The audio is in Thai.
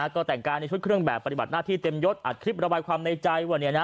ก็แต่งกายในชุดเครื่องแบบปฏิบัติหน้าที่เต็มยดอัดคลิประบายความในใจว่า